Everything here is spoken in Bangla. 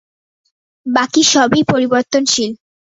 বাকি সবই পরিবর্তশীল।